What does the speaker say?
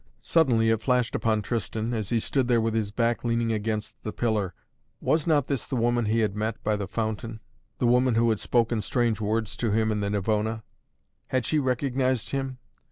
Suddenly it flashed upon Tristan, as he stood there with his back leaning against the pillar. Was not this the woman he had met by the fountain, the woman who had spoken strange words to him in the Navona? Had she recognized him?